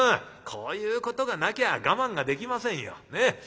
こういうことがなきゃ我慢ができませんよ。